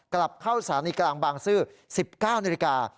กลับเข้าสถานีกลางบางซื่อ๑๙นาฬิกา